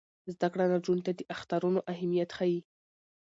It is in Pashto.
زده کړه نجونو ته د اخترونو اهمیت ښيي.